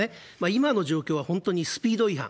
今の状況は本当にスピード違反。